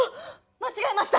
間違えました！